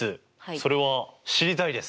それは知りたいです！